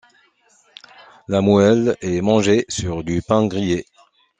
La moelle est mangée sur du pain grillé.